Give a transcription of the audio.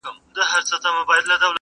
o تر اوبو د مخه گاولي مه کاږه.